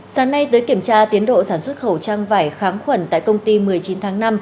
sáng nay tới kiểm tra tiến độ sản xuất khẩu trang vải kháng khuẩn tại công ty một mươi chín tháng năm